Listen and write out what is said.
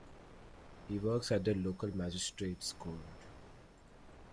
He works at the local magistrate’s court.